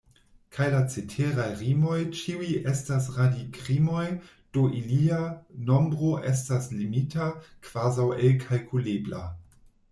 Kaj la ceteraj rimoj ĉiuj estas radikrimoj, do ilia nombro estas limita, kvazaŭ elkalkulebla.